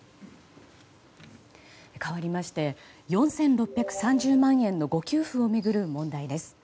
かわりまして、４６３０万円の誤給付を巡る問題です。